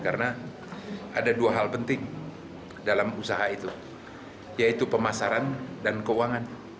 karena ada dua hal penting dalam usaha itu yaitu pemasaran dan keuangan